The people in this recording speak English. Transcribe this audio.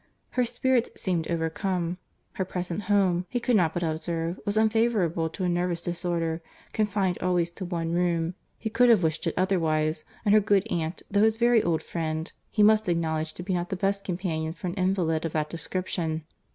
Her spirits seemed overcome. Her present home, he could not but observe, was unfavourable to a nervous disorder:—confined always to one room;—he could have wished it otherwise—and her good aunt, though his very old friend, he must acknowledge to be not the best companion for an invalid of that description.